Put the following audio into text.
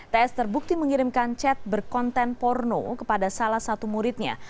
ts terbukti mengirimkan chat berkonten porno kepada salah satu muridnya